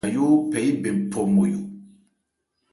Yayó phɛ yí bɛn phɔ Nmɔyo.